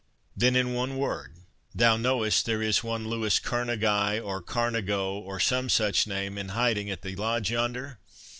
"Then, in one word—thou knowest there is one Louis Kerneguy, or Carnego, or some such name, in hiding at the Lodge yonder?"